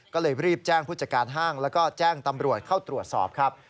ก็เลยรีบแจ้งผู้จัดการห้างแล้วก็แจ้งตำรวจเข้าตรวจสอบครับ